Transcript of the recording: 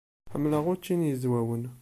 Ḥemmleɣ učči n Yizwawen.